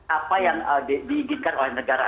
apa yang diinginkan oleh negara